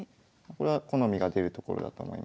これは好みが出るところだと思います。